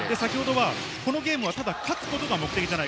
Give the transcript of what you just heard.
このゲームは勝つことが目的じゃない。